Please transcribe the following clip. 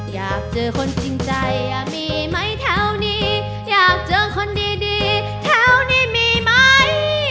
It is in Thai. อยากเจอคนจริงใจมีไหมแถวนี้อยากเจอคนดีแถวนี้มีไหม